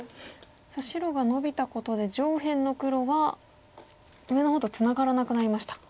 白がノビたことで上辺の黒は上の方とツナがらなくなりました。